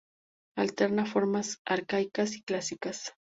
Alterna formas arcaicas y clásicas.